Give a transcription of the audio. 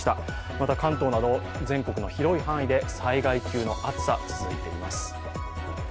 また関東など全国の広い範囲で災害級の暑さ、続いています。